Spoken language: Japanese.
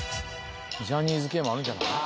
ジャニーズ系もあるんじゃない？